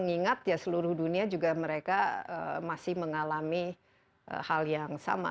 mengingat ya seluruh dunia juga mereka masih mengalami hal yang sama